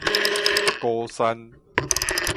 鼓山